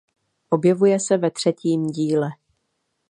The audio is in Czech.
Objevuje se ve třetím díle.